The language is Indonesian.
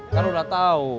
kan udah tahu